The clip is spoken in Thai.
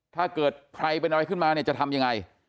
ถ้าเกิดใครเป็นอะไรขึ้นมาเนี่ยจะทำยังไง